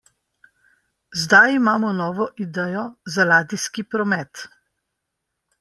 Zdaj imamo novo idejo za ladijski promet.